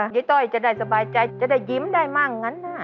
เย้ต้อยจะได้สบายใจจะได้ยิ้มได้มากอย่างนั้นน่ะ